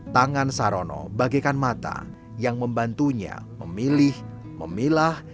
tangan sarono bagaikan mata yang membantunya memilih memilah